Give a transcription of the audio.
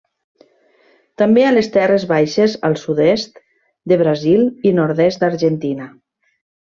També a les terres baixes al sud-est de Brasil i nord-est d'Argentina.